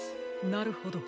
なるほど。